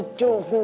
masuk masuk masuk